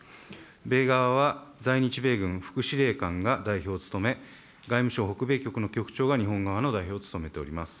米側は在日米軍副司令官が代表を務め、外務省北米局の局長が日本側の代表を務めております。